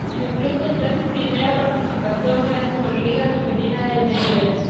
El club tendrá su primera participación en la Superliga Femenina de Venezuela.